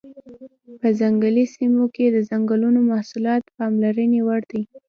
په ځنګلي سیمو کې د ځنګلونو محصولات پاملرنې وړ دي.